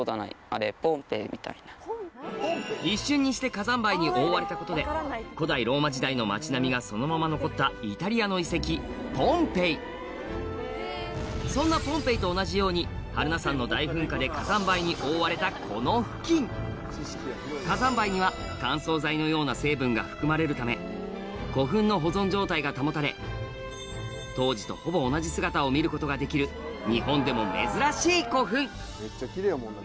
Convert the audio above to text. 一瞬にして火山灰に覆われたことで古代ローマ時代の町並みがそのまま残ったそんなポンペイと同じように榛名山の大噴火で火山灰に覆われたこの付近火山灰には乾燥剤のような成分が含まれるため古墳の保存状態が保たれ当時とほぼ同じ姿を見ることができる日本でも珍しい古墳